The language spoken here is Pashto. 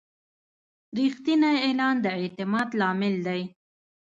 رښتینی اعلان د اعتماد لامل دی.